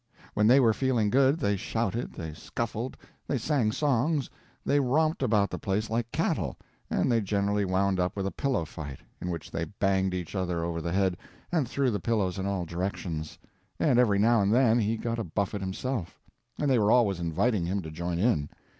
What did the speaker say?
When they were feeling good, they shouted, they scuffled, they sang songs, they romped about the place like cattle, and they generally wound up with a pillow fight, in which they banged each other over the head, and threw the pillows in all directions, and every now and then he got a buffet himself; and they were always inviting him to join in.